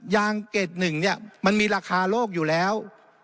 ยางเกรด๑เนี่ยมันมีราคาโลกอยู่แล้ว